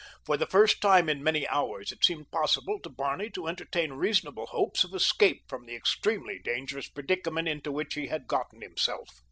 For the first time in many hours it seemed possible to Barney to entertain reasonable hopes of escape from the extremely dangerous predicament into which he had gotten himself.